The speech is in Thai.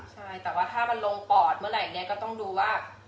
ใช่แต่ว่าถ้ามันลงปอดเมื่อไหร่เนี่ยก็ต้องดูว่า